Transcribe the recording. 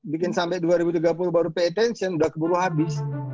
bikin sampai dua ribu tiga puluh baru pay attention sudah keburu habis